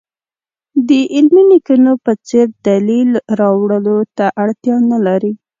د علمي لیکنو په څېر دلیل راوړلو ته اړتیا نه لري.